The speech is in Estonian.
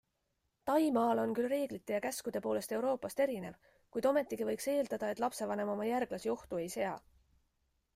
Taimaal on küll reeglite ja käskude poolest Euroopast erinev, kuid ometigi võiks eeldada, et lapsevanem oma järglasi ohtu ei sea.